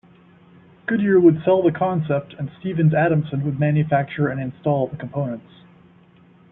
Goodyear would sell the concept and Stephens-Adamson would manufacture and install the components.